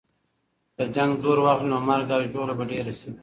که جنګ زور واخلي، نو مرګ او ژوبله به ډېره سي.